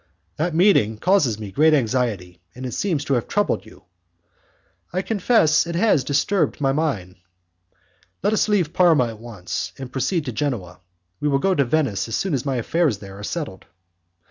"That meeting causes me great anxiety, and it seems to have troubled you." "I confess it has disturbed my mind." "Let us leave Parma at once and proceed to Genoa. We will go to Venice as soon as my affairs there are settled."